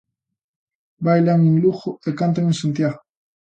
Bailan en Lugo e cantan en Santiago.